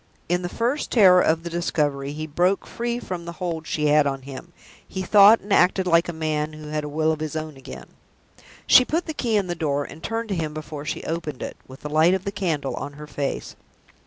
In the first terror of the discovery, he broke free from the hold she had on him: he thought and acted like a man who had a will of his own again. She put the key in the door, and turned to him before she opened it, with the light of the candle on her face.